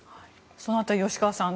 その辺り、吉川さん